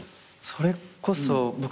それこそ僕